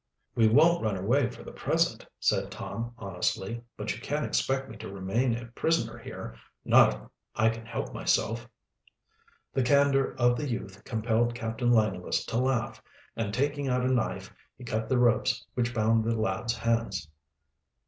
"We won't run away for the present," said Tom honestly. "But you can't expect me to remain a prisoner here not if I can help myself." The candor of the youth compelled Captain Langless to laugh, and, taking out a knife, he cut the ropes which bound the lads' hands.